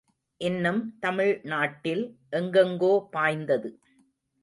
இன்னும் தமிழ்நாட்டில் எங்கெங்கோ பாய்ந்தது.